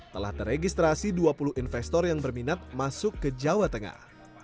telah teregistrasi dua puluh investor yang berminat masuk ke jawa tengah